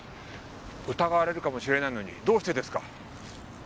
疑われるかもしれないのにどうしてですか？